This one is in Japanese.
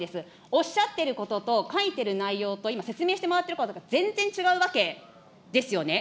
おっしゃっていることと、書いてる内容と、今、説明してもらってることが全然違うわけですよね。